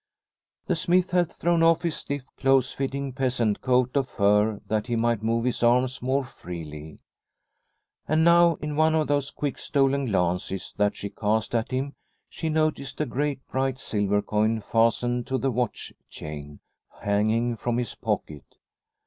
The smith had thrown off his stiff close fitting peasant coat of fur that he might move his arms more freely, and now in one of those quick stolen glances that she cast at him she noticed a great, bright silver coin fastened to the watch chain hanging from his pocket.